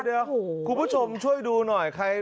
เดี๋ยวคุณผู้ชมช่วยดูหน่อย